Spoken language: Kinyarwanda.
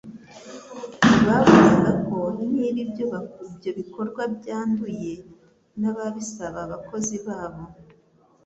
Ntibabonaga ko niba ibyo bikorwa byanduye n'ababisaba abakozi babo